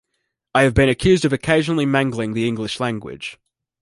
I have been accused of occasionally mangling the English language.